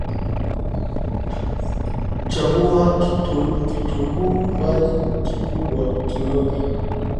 Chagua kitunguu maji kikubwa moja